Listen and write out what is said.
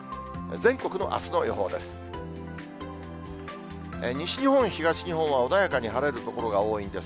全国のあすの予報です。